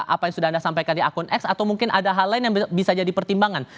apa yang sudah anda sampaikan di akun ex atau mungkin ada hal lain yang bisa jadi pertimbangan